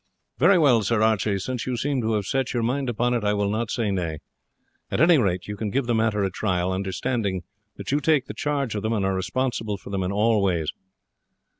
Very well, Sir Archie, since you seem to have set your mind upon it I will not say nay. At any rate we can give the matter a trial, understanding that you take the charge of them and are responsible for them in all ways.